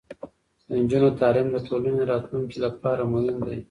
د نجونو تعلیم د ټولنې راتلونکي لپاره مهم دی.